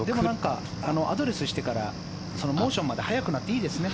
アドレスしてからモーションまで早くなっていいですね。